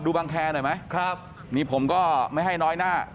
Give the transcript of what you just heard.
บางแคร์หน่อยไหมครับนี่ผมก็ไม่ให้น้อยหน้า